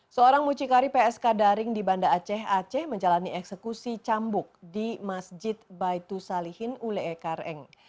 seorang mucikari psk daring di banda aceh aceh menjalani eksekusi cambuk di masjid baitu salihin ulee kareng